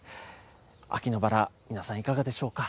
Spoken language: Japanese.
秋のバラ、皆さんいかがでしょうか。